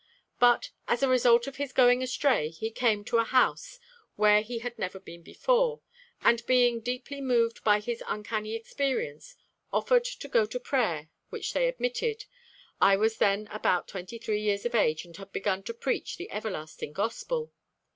But as a result of his going astray, he came to a house where he had never been before; and being deeply moved by his uncanny experience, 'offered to go to prayer, which they admitted.... I was then about twenty three years of age and had begun to preach the everlasting gospel.